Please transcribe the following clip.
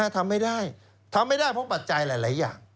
ทำไม่ได้ทำไม่ได้เพราะปัจจัยหลายอย่าง